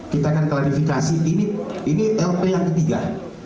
kita akan klarifikasi ini lp yang ketiga